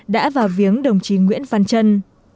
đã vào viếng đồng chí nguyễn văn trân